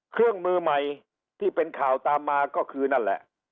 เครื่องมือใหม่ที่เป็นข่าวตามมาก็คือนั่นแหละ